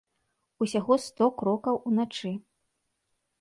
Усяго сто крокаў уначы.